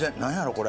これ。